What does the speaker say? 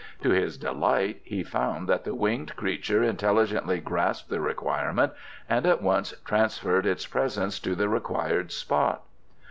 To his delight he found that the winged creature intelligently grasped the requirement and at once transferred its presence to the required spot.